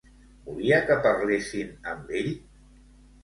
Volia que parlessin amb ell?